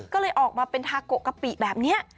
ก็เลยออกมาเป็นทาโกะกะปิแบบนี้